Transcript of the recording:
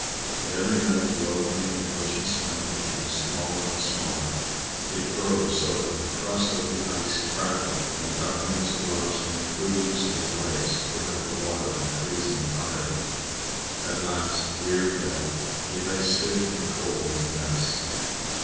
But every night the opening in which he swam became smaller and smaller. It froze so that the crust of ice crackled and the Duckling was obliged to make good use of his legs to prevent the water from freezing entirely. At last, wearied out, he lay stiff and cold in the ice.